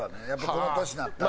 この年になったら。